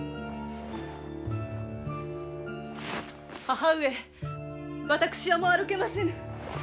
母上私はもう歩けませぬ。